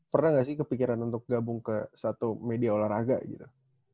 pernah gak sih kepikiran untuk gabung ke satu media olahraga gitu